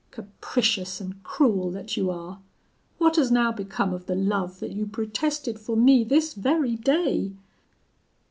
Capricious and cruel that you are! what has now become of the love that you protested for me this very day?